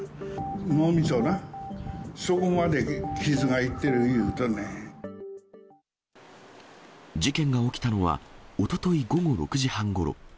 脳みそな、そこまで傷がいってる事件が起きたのは、おととい午後６時半ごろ。